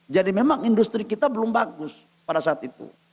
jadi memang industri kita belum bagus pada saat itu